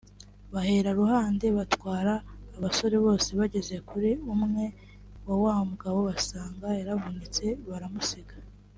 bahera ruhande batwara abasore bose bageze kuri umwe wa wa mugabo basanga yaravunitse baramusiga